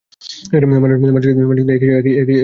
মানুষ কিন্তু একই সময়ে দেখিতে ও শুনিতে পায়।